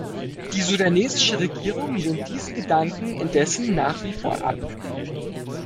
Die sudanesische Regierung lehnt diesen Gedanken indessen nach wie vor ab.